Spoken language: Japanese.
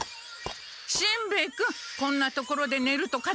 しんべヱ君こんな所でねるとかぜひくわよ。